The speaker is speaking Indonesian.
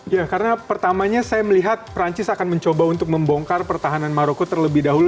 ya karena pertamanya saya melihat perancis akan mencoba untuk membongkar pertahanan maroko terlebih dahulu